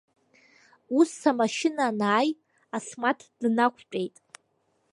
Ус амашьына анааи, Асмаҭ днақәтәеит.